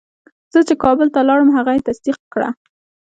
چې زه کابل ته لاړم هغه یې تصدیق کړه.